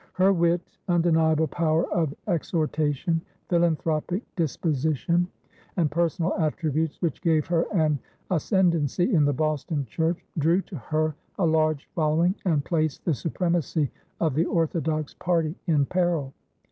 Her wit, undeniable power of exhortation, philanthropic disposition, and personal attributes which gave her an ascendency in the Boston church, drew to her a large following and placed the supremacy of the orthodox party in peril.